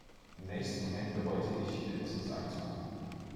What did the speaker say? Im nächsten Moment bereute ich, etwas gesagt zu haben.